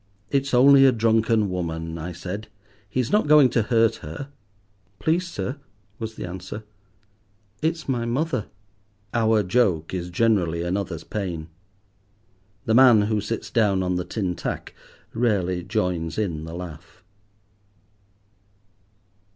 "It's only a drunken woman," I said; "he's not going to hurt her." "Please, sir," was the answer, "it's my mother." Our joke is generally another's pain. The man who sits down on the tin tack rarely joins in the laugh.